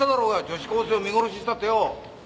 女子高生を見殺しにしたってよ。